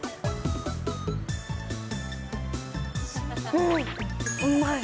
うん、うまい。